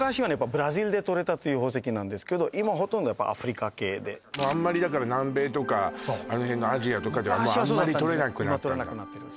ブラジルで採れた宝石なんですけど今ほとんどやっぱアフリカ系でもうあんまりだから南米とかあの辺のアジアとかではもうあんまり採れなくなったんだ